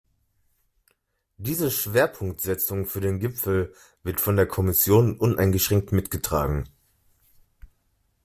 Diese Schwerpunktsetzung für den Gipfel wird von der Kommission uneingeschränkt mitgetragen.